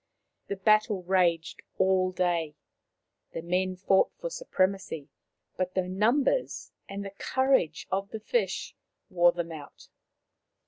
The battle raged all day. The men fought for supremacy, but the numbers and the courage of the fish wore them out.